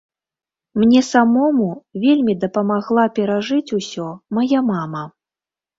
Мне самому вельмі дапамагла перажыць ўсё мая мама.